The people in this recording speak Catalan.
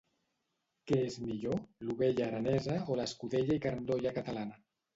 Què és millor, l'ovella aranesa o l'escudella i carn d'olla catalana?